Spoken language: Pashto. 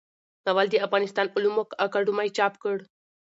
ناول د افغانستان علومو اکاډمۍ چاپ کړ.